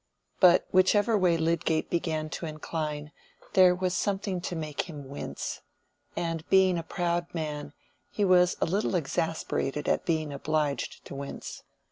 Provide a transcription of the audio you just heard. But whichever way Lydgate began to incline, there was something to make him wince; and being a proud man, he was a little exasperated at being obliged to wince.